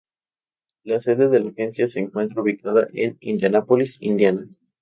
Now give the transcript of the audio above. La sede de la agencia se encuentra ubicada en Indianápolis, Indiana.